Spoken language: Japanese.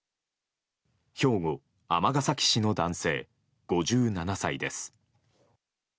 兵庫・尼崎市の男性、５７歳です。